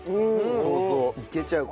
そうそう。